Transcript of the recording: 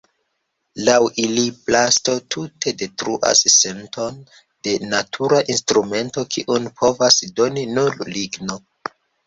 Laŭ ili plasto tute detruas senton de natura instrumento, kiun povas doni nur ligno.